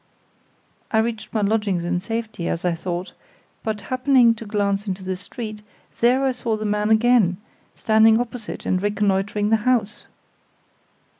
I reached my lodgings in safety, as I thought, but happening to glance into the street, there I saw the man again, standing opposite, and reconnoitering the house.